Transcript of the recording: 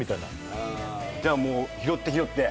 じゃあもう拾って拾って。